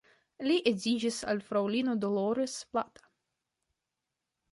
Li edziĝis al fraŭlino Dolores Plata.